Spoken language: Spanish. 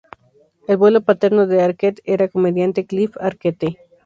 El abuelo paterno de Arquette era comediante Cliff Arquette.